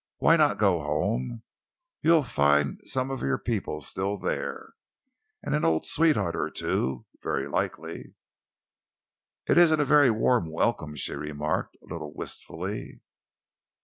Why not go home? You'll find some of your people still there and an old sweetheart or two, very likely." "It isn't a very warm welcome," she remarked, a little wistfully.